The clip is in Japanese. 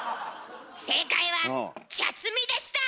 正解は「茶摘」でした！